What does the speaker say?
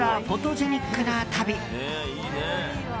フォトジェニックな旅。